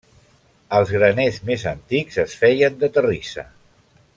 Els graners més antics es feien de terrissa.